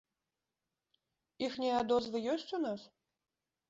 Іхнія адозвы ёсць у нас?